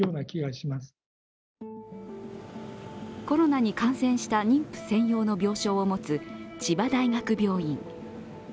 コロナに感染した妊婦専用の病床を持つ千葉大学病院。